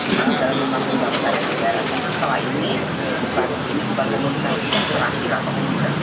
ada ajangan berasik dari kakaknya pak ade